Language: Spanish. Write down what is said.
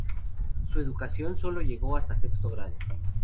Su educación solo llegó hasta sexto grado.